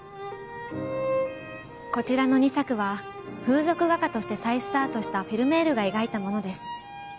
こちらの２作は風俗画家として再スタートしたフェルメールが描いたものです。